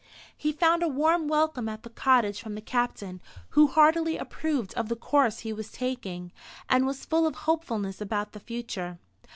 He found a warm welcome at the cottage from the Captain, who heartily approved of the course he was taking, and was full of hopefulness about the future.